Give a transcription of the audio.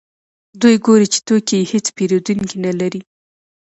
دوی ګوري چې توکي یې هېڅ پېرودونکي نلري